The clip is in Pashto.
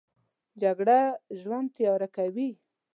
جګړه ژوند تیاره کوي